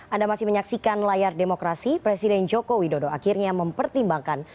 anda masih menyaksikan layar demokrasi presiden joko widodo akhirnya mempertimbangkan